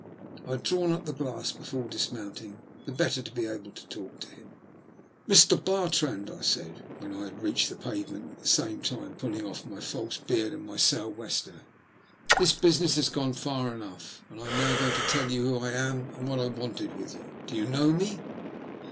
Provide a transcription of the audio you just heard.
I had drawn up the glass before dismounting, the better to be able to talk to him. "Mr. Bartrand," I said, when I had reached the pavement, at the same time pulling off my false beard and my sou'wester, ''this business has gone far enough, and I am now going to tell you who I am and what I wanted with you. Do you know me